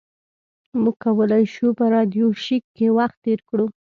موږ کولی شو په راډیو شیک کې وخت تیر کړو